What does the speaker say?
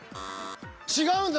違うんだ。